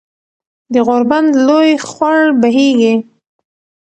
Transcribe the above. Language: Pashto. د غوربند لوے خوړ بهېږي